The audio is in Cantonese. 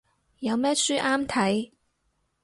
有咩書啱睇